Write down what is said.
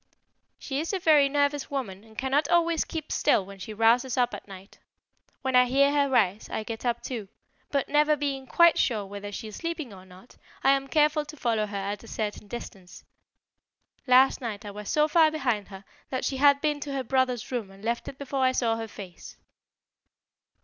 "She is a very nervous woman and cannot always keep still when she rouses up at night. When I hear her rise, I get up too; but, never being quite sure whether she is sleeping or not, I am careful to follow her at a certain distance. Last night I was so far behind her that she had been to her brother's room and left it before I saw her face."